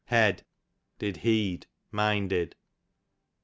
Hed, did heed, minded.